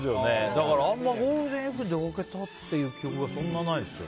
だからあんまゴールデンウィークで出かけたという記憶はそんなないですね。